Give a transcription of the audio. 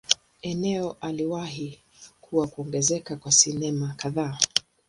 Eneo aliwahi kuwa kuongezeka kwa sinema kadhaa.